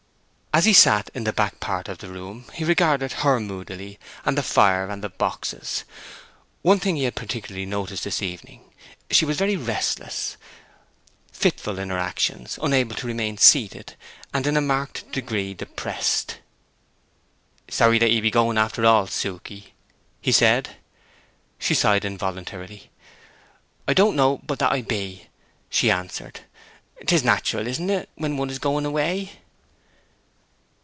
As he sat in the back part of the room he regarded her moodily, and the fire and the boxes. One thing he had particularly noticed this evening—she was very restless; fitful in her actions, unable to remain seated, and in a marked degree depressed. "Sorry that you be going, after all, Suke?" he said. She sighed involuntarily. "I don't know but that I be," she answered. "'Tis natural, isn't it, when one is going away?"